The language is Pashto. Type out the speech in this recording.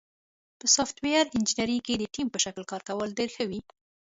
په سافټویر انجینری کې د ټیم په شکل کار کول ډېر ښه وي.